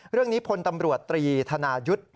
เรื่องนี้พลตำรวจตรีธนายุทธ์